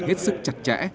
hết sức chặt chẽ